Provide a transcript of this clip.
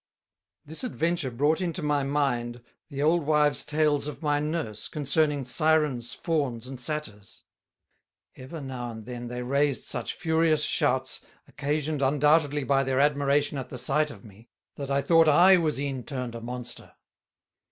This adventure brought into my mind the old Wives Tales of my Nurse concerning Syrenes, Faunes and Satyrs: Ever now and then they raised such furious Shouts, occasioned undoubtedly by their Admiration at the sight of me, that I thought I was e'en turned a Monster.